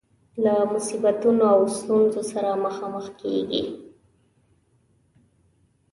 له مصیبتونو او ستونزو سره مخامخ کيږو.